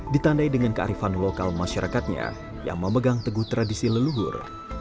ditandai dengan kearifan lokal masyarakatnya yang memegang teguh tradisi leluhur